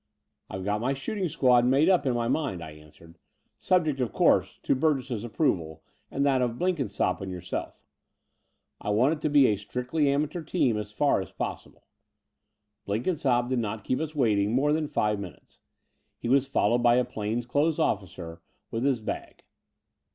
"I've got my shooting squad made up in my mind," I answered, "subject, of course, to Bur gess's approval and that of Blenkinsopp and your self. I want it to be a strictly amateur team as far as possible." Blenkinsopp did not keep us waiting more than five minutes. He was followed by a plain clothes officer with his bag.